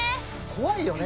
怖いよね